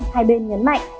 hai bên nhấn mạnh